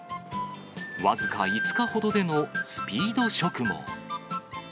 僅か５日ほどでのスピード植毛。